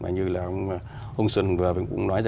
như là ông xuân vừa cũng nói